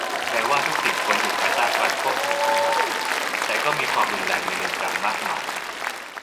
แม้ว่าทุกสิ่งควรอยู่ภายใต้การควบคุมของรัฐ แต่ก็มีความรุนแรงในเรือนจำมากมาย